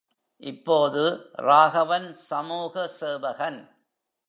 இப்போது, ராகவன் சமூக சேவகன்.